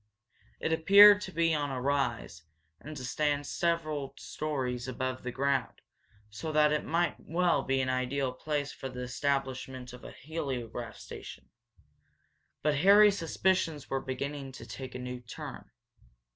It appeared to be on a rise, and to stand several stories above the ground, so that it might well be an ideal place for the establishment of a heliograph station. But Harry's suspicions were beginning to take a new turn.